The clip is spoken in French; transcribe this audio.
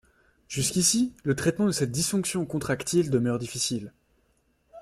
Jusqu'ici, le traitement de cette dysfonction contractile demeure difficile.